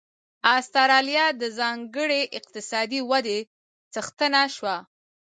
اسټرالیا د ځانګړې اقتصادي ودې څښتنه شوه.